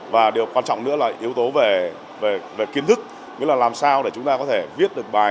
và điều quan trọng nữa là yếu tố về kiến thức mới là làm sao để chúng ta có thể viết được bài